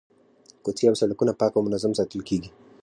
کوڅې او سړکونه پاک او منظم ساتل کیږي.